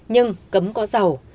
nhưng cấm có giàu